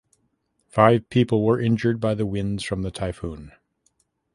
Five people were injured by the winds from the typhoon.